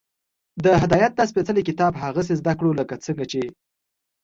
د هدایت دا سپېڅلی کتاب هغسې زده کړو، لکه څنګه چې